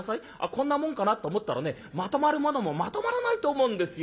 『こんなもんかな』と思ったらねまとまるものもまとまらないと思うんですよ。